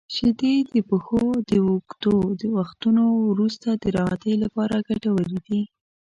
• شیدې د پښو د اوږدو وختونو وروسته د راحتۍ لپاره ګټورې دي.